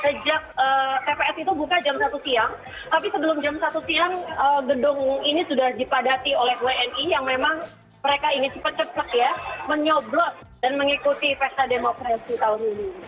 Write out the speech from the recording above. sejak tps itu buka jam satu siang tapi sebelum jam satu siang gedung ini sudah dipadati oleh wni yang memang mereka ingin cepat cepat ya menyoblot dan mengikuti pesta demokrasi tahun ini